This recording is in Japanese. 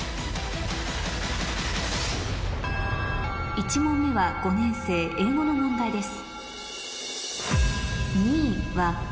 １問目は５年生英語の問題です